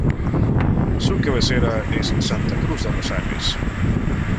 Su cabecera es Santa Cruz de Rosales.